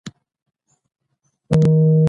رومیان له غوړو پرته هم پخېږي